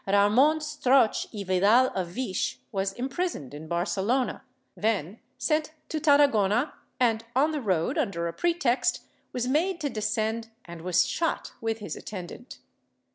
Ramon Strauch y Yidal of Vich was im prisoned in Barcelona, then sent to Tarragona and on the road, under a pretext, was made to descend and was shot with his attend ant.